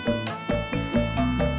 bikin selamat udah sama tomat